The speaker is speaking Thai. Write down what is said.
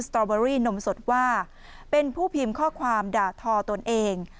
ตรอเบอรี่นมสดว่าเป็นผู้พิมพ์ข้อความด่าทอตนเอง